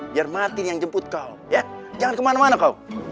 biar martin yang jemput kau ya jangan ke mana mana kau